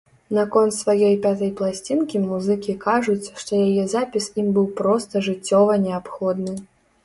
Наконт сваёй пятай пласцінкі музыкі кажуць, што яе запіс ім быў проста жыццёва неабходны.